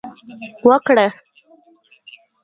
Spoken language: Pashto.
وکړه